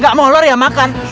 gak mau olor ya makan